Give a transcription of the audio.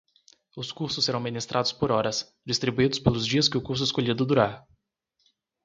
Os cursos serão ministrados por horas, distribuídos pelos dias que o curso escolhido durar.